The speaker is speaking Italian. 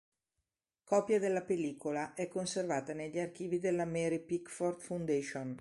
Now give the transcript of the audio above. Copia della pellicola è conservata negli archivi della Mary Pickford Foundation.